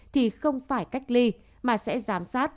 thì không phải cách ly mà sẽ giám sát